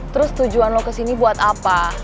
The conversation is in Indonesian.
terus tujuan lo kesini buat apa